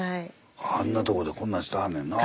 あんなとこでこんなんしてはんねんなあ。